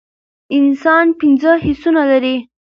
انسان پنځه حسونه لری